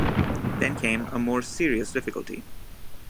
Then came a more serious difficulty.